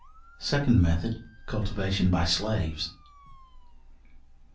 Second method, cultivation by slaves.